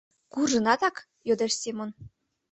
— Куржынатак?.. — йодеш Семон.